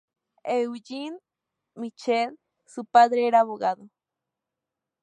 Eugene Mitchell, su padre, era abogado.